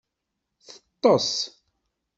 Teṭṭes.